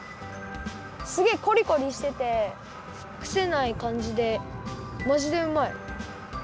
すげえコリコリしててくせないかんじでマジでうまい！